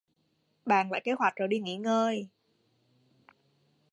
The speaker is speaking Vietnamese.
Bàn lại kế hoạch rồi đi nghỉ ngơi